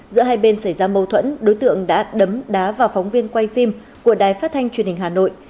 giữa hai bên xảy ra mâu thuẫn đối tượng đã đấm đá vào phóng viên quay phim của đài phát thanh truyền hình hà nội